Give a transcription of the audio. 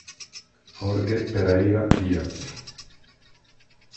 Jorge Pereyra Díaz